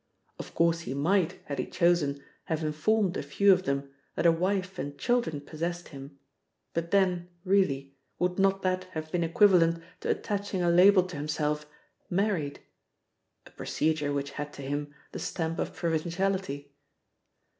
Of course he might, had he chosen, have informed a few of them that a wife and children possessed him, but then, really, would not that have been equivalent to attaching a label to himself "Married"? a procedure which had to him the stamp of provinciality.